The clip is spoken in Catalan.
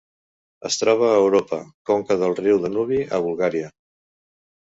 Es troba a Europa: conca del riu Danubi a Bulgària.